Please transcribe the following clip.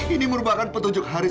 ini merupakan petunjuk haris